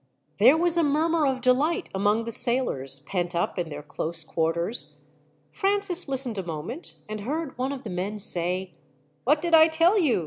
There was a murmur of delight among the sailors, pent up in their close quarters. Francis listened a moment, and heard one of the men say: "What did I tell you?